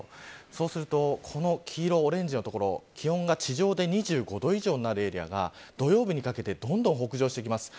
そうするとこの黄色、オレンジの所地上で２５度以上になるエリアが土曜日にかけてどんどん北上してきます。